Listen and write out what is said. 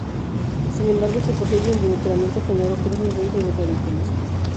Sin embargo, su posible involucramiento generó cruces dentro del radicalismo.